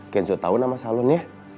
kenzo tau nama salonnya